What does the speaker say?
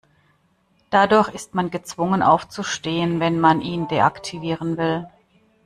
Dadurch ist man gezwungen aufzustehen, wenn man ihn deaktivieren will.